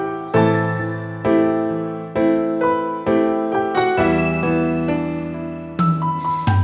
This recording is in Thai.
ดูสดเอง